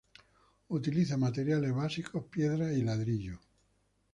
Utiliza materiales básicos: piedra y ladrillo.